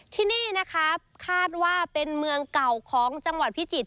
ที่นี่นะครับคาดว่าเป็นเมืองเก่าของจังหวัดพิจิตร